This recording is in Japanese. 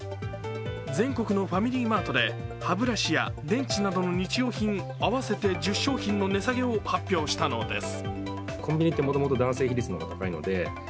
全国のファミリーマートで歯ブラシや電池などの日用品合わせて１０商品の値下げを発表したのです。